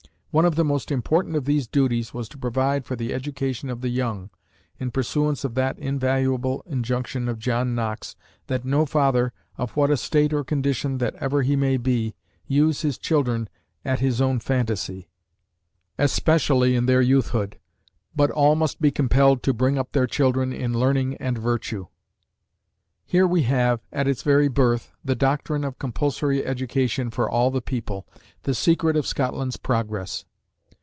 One of the most important of these duties was to provide for the education of the young, in pursuance of that invaluable injunction of John Knox, "that no father, of what estate or condition that ever he may be, use his children at his own fantasie, especially in their youthhood, but all must be compelled to bring up their children in learning and virtue." Here we have, at its very birth, the doctrine of compulsory education for all the people, the secret of Scotland's progress.